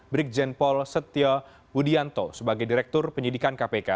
brikjen pol setia budianto sebagai direktur penyelidikan kpk